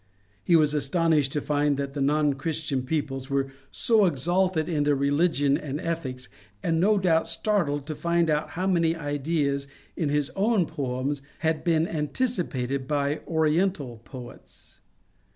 He was astonished to find that the non Chris tian peoples were so exalted in their religion and ethics, and no doubt startled to find how many ideas in his own poems had been anticipated by Oriental poets.